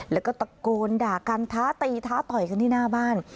แล้วก็ตะโกนด่ากันท้าตีท้าต่อยกันที่หน้าบ้าน